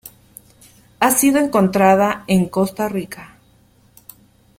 Ha sido encontrada en Costa Rica.